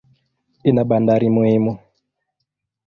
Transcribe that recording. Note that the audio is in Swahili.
Ina bandari muhimu.